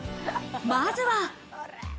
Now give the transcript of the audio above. まずは。